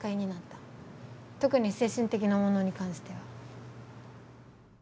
特に精神的なものに関しては。